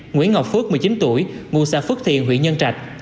nguyễn ngọc phước một mươi chín tuổi ngụ xã phước thiện huyện nhân trạch